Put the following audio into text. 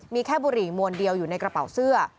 มีแค่บุหรี่มวลเดียวอยู่ในกระเป๋าเสื้อ